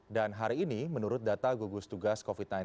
dan hari ini menurut data gugus tugas covid sembilan belas